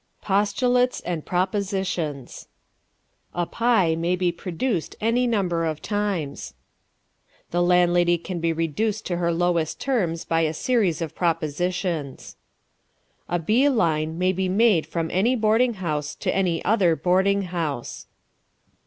POSTULATES AND PROPOSITIONS A pie may be produced any number of times. The landlady can be reduced to her lowest terms by a series of propositions. A bee line may be made from any boarding house to any other boarding house.